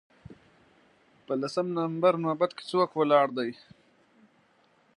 په لسم نمبر نوبت کې څوک ولاړ دی